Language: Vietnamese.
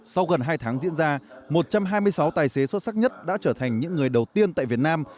sau gần hai tháng diễn ra một trăm hai mươi sáu tài xế xuất sắc nhất đã trở thành những người đầu tiên tại việt nam